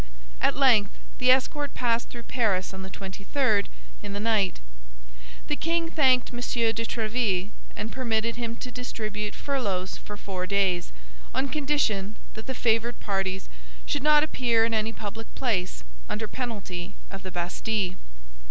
At length the escort passed through Paris on the twenty third, in the night. The king thanked M. de Tréville, and permitted him to distribute furloughs for four days, on condition that the favored parties should not appear in any public place, under penalty of the Bastille.